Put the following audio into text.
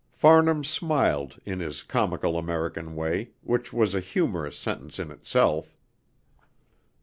Farnham smiled in his comical American way, which was a humorous sentence in itself.